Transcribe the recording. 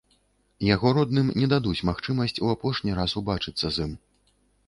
Яго родным не дадуць магчымасць ў апошні раз убачыцца з ім.